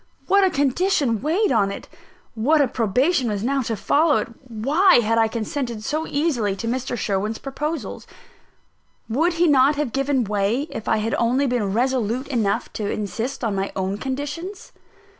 What a condition weighed on it! What a probation was now to follow it! Why had I consented so easily to Mr. Sherwin's proposals? Would he not have given way, if I had only been resolute enough to insist on my own conditions?